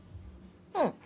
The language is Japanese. うん。